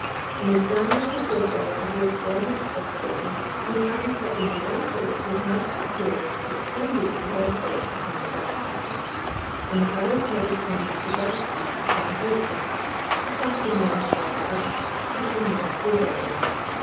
In examining the process of the experiment just given, we find that in the one case we have, to appearance, extended the white edge upon the dark surface; in the other we have extended the dark edge upon the white surface, supplanting one by the other, pushing one over the other.